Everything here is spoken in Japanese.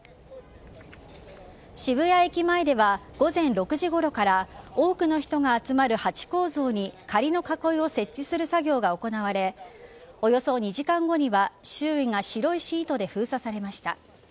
渋谷駅前では午前６時ごろから多くの人が集まるハチ公像に仮の囲いを設置する作業が行われおよそ２時間後には周囲が白いシートで封鎖されました。